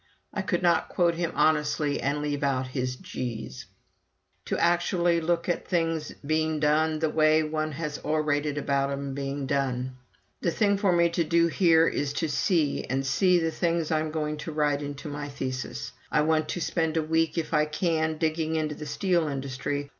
[I could not quote him honestly and leave out his "gees"] to actually look at things being done the way one has orated about 'em being done. The thing for me to do here is to see, and see the things I'm going to write into my thesis. I want to spend a week, if I can, digging into the steel industry.